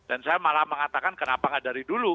dan saya malah mengatakan kenapa tidak dari dulu